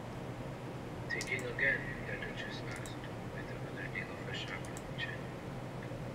‘Thinking again?’ the Duchess asked, with another dig of her sharp little chin.